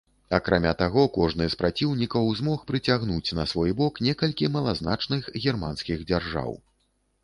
Акрамя таго, кожны з праціўнікаў змог прыцягнуць на свой бок некалькі малазначных германскіх дзяржаў.